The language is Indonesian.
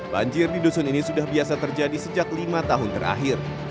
banjir di dusun ini sudah biasa terjadi sejak lima tahun terakhir